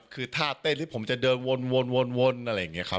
คือท่าเต้นที่ผมจะเดินวนอะไรอย่างนี้ครับ